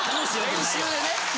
・練習でね